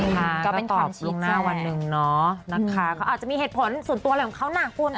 ก็เป็นความคิดหน้าวันหนึ่งเนาะนะคะเขาอาจจะมีเหตุผลส่วนตัวอะไรของเขานะคุณ